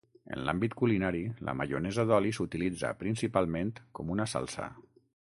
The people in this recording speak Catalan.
En l’àmbit culinari, la maionesa d’oli s’utilitza, principalment, com una salsa.